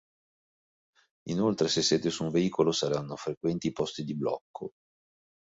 Inoltre se siete su un veicolo saranno frequenti i posti di blocco.